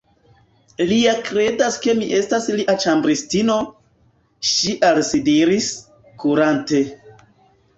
“Li ja kredas ke mi estas lia ĉambristino,” ŝi al si diris, kurante.